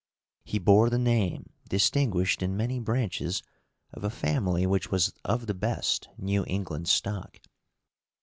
He bore the name, distinguished in many branches, of a family which was of the best New England stock.